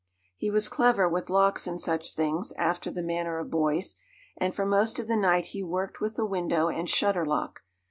He was clever with locks and such things, after the manner of boys, and for most of the night he worked with the window and shutter lock.